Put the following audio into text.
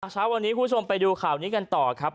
เช้าวันนี้คุณผู้ชมไปดูข่าวนี้กันต่อครับ